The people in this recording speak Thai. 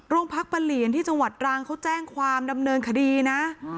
พระปะเหลียนที่จังหวัดรังเขาแจ้งความดำเนินคดีนะ